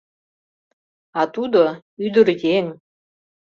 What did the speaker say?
А тудо — ӱдыръеҥ.